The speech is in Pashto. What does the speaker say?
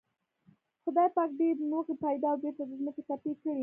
خدای پاک ډېر نوغې پيدا او بېرته د ځمکې تبی کړې.